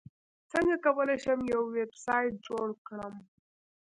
څنګه کولی شم یو ویبسایټ جوړ کړم